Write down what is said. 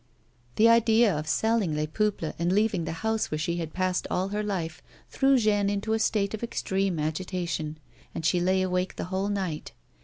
The idea of selling Les Peiiples and leaving the house where she had passed all her life threw Jeanne into a state of extreme agitation, and she lay awake the whole night.